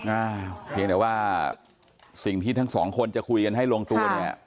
อ่าเพียงแต่ว่าสิ่งที่ทั้งสองคนจะคุยกันให้ลงตัวเนี่ย